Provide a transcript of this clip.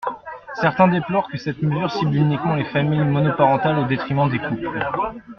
Certains déplorent que cette mesure cible uniquement les familles monoparentales, au détriment des couples.